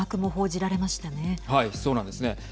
そうなんですね。